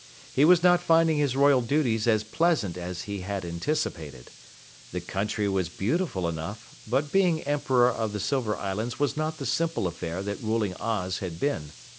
He was not finding his royal duties as pleasant as he had anticipated. The country was beautiful enough, but being Emperor of the Silver Islands was not the simple affair that ruling Oz had been.